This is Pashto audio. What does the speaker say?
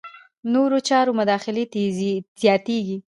نورو چارو مداخلې زیاتېږي.